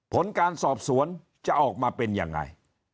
ผลการสอบสวนจะออกมาเป็นยังไง